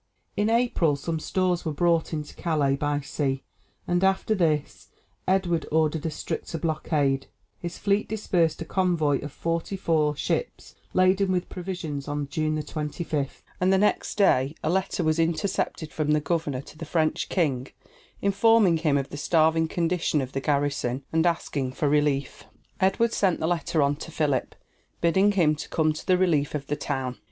In April some stores were brought into Calais by sea, and after this Edward ordered a stricter blockade; his fleet dispersed a convoy of forty four ships laden with provisions on June 25, and the next day a letter was intercepted from the governor to the French king informing him of the starving condition of the garrison, and asking for relief. Edward sent the letter on to Philip, bidding him come to the relief of the town.